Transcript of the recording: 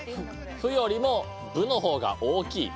「ふ」よりも「ぶ」の方が大きい。